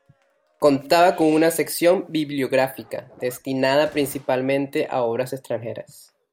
Contaba con una sección bibliográfica, destinada principalmente a obras extranjeras.